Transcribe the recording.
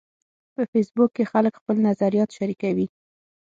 په فېسبوک کې خلک خپل نظریات شریکوي